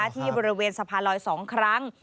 ที่บริเวณสะพานลอย๒ครั้ง